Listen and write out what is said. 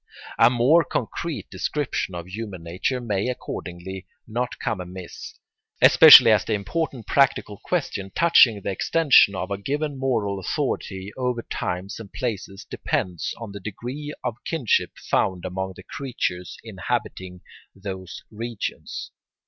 A more concrete description of human nature may accordingly not come amiss, especially as the important practical question touching the extension of a given moral authority over times and places depends on the degree of kinship found among the creatures inhabiting those regions.